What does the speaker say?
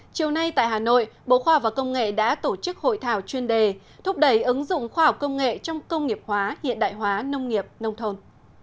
chiều nay tại hà nội bộ khoa và công nghệ đã tổ chức hội thảo chuyên đề thúc đẩy ứng dụng khoa học công nghệ trong công nghiệp hóa hiện đại hóa nông nghiệp nông thôn